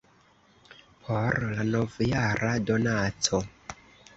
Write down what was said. por la nov-jara donaco